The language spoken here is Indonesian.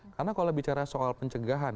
karena kalau bicara soal pencegahan